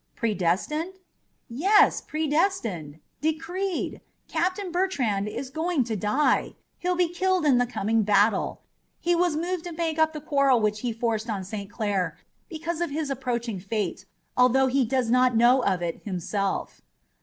"Predestined?" "Yes, predestined! Decreed! Captain Bertrand is going to die. He'll be killed in the coming battle. He was moved to make up the quarrel which he forced on St. Clair because of his approaching fate, although he does not know of it himself."